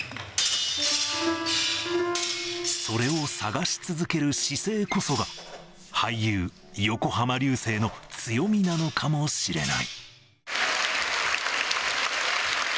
それを探し続ける姿勢こそが、俳優、横浜流星の強みなのかもしれない。